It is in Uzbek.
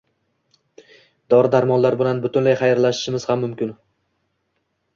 Dori-darmonlar bilan butunlay hayrlashishimiz ham mumkin.